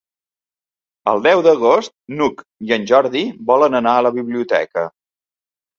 El deu d'agost n'Hug i en Jordi volen anar a la biblioteca.